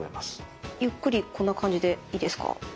ゆっくりこんな感じでいいですか？